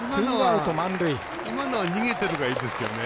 今のは逃げてるからいいですからね。